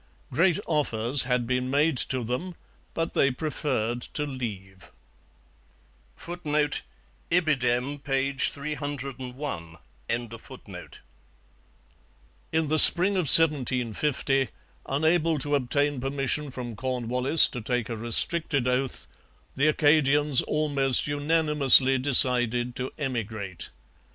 Great offers had been made to them, but they preferred to leave. [Footnote: Ibid., p. 301.] In the spring of 1750, unable to obtain permission from Cornwallis to take a restricted oath, the Acadians almost unanimously decided to emigrate.